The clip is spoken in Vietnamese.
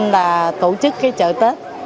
là tổ chức cái chợ tết